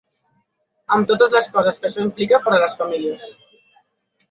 Amb totes les coses que això implica per a les famílies.